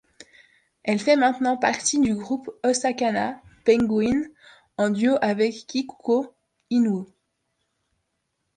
Elle fait maintenant partie du groupe Osakana Penguin en duo avec Kikuko Inoue.